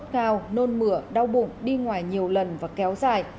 sốt cao nôn mửa đau bụng đi ngoài nhiều lần và kéo dài